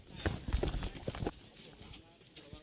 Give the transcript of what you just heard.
สวัสดีทุกคน